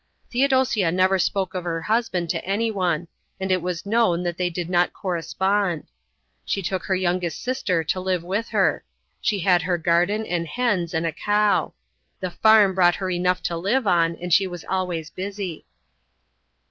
Theodosia never spoke of her husband to anyone, and it was known that they did not correspond. She took her youngest sister to live with her. She had her garden and hens and a cow. The farm brought her enough to live on, and she was always busy.